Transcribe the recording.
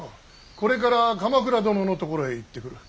これから鎌倉殿のところへ行ってくる。